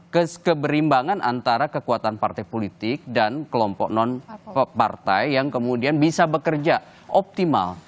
keberimbangan antara kekuatan partai politik dan kelompok non partai yang kemudian bisa bekerja optimal